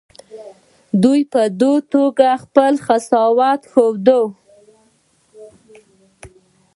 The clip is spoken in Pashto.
دوی په دې توګه خپل سخاوت ښوده.